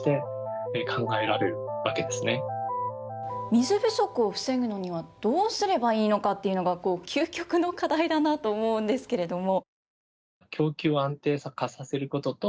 水不足を防ぐのにはどうすればいいのかっていうのが、究極の課題だなと思うんですけれども。